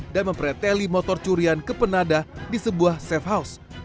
dan mempreteli motor curian kepenada di sebuah safe house